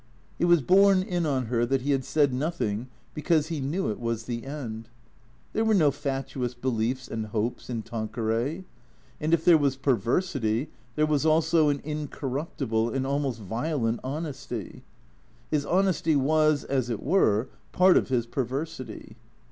It was borne in on her that he had said nothing because he knew it was the end. There were no fatuous beliefs and hopes in Tanqueray. And if there was perversity, there was also an incorruptible, an almost violent honesty. His honesty was, as it were, part of his perversity.